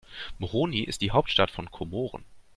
Moroni ist die Hauptstadt von Komoren.